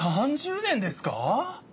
３０年ですか！？